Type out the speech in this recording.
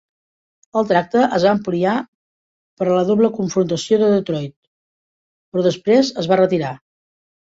El tracte es va ampliar per a la doble confrontació de Detroit, però després es va retirar.